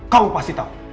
kamu pasti tahu